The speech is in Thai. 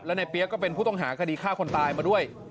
ในเปี๊ยกก็เป็นผู้ต้องหาคดีฆ่าคนตายมาด้วย